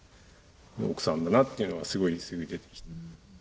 奥さんだなっていうのはすごいすぐ出てきて。